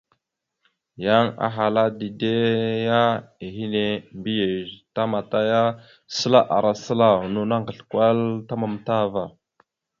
Yan ahala dide ya ehene, mbiyez tamataya səla ara səla, no naŋgasl kwal ta matam ava.